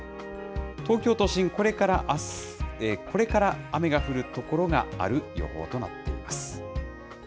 東京都心、これから雨が降る所がある予報となっています。